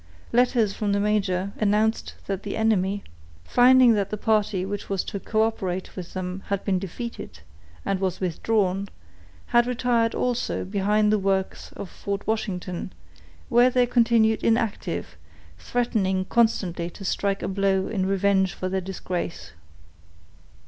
Letters from the major announced that the enemy, finding that the party which was to coöperate with them had been defeated, and was withdrawn, had retired also behind the works of Fort Washington, where they continued inactive, threatening constantly to strike a blow in revenge for their disgrace.